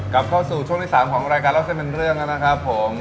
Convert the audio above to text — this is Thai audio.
กลับเข้าสู่ช่วงที่๓ของรายการเล่าเส้นเป็นเรื่องแล้วนะครับผม